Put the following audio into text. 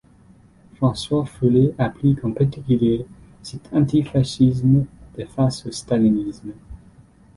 François Furet applique en particulier cet antifascisme de face au stalinisme.